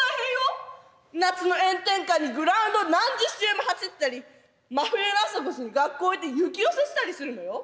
夏の炎天下にグラウンド何十周も走ったり真冬の朝５時に学校へ行って雪寄せしたりするのよ。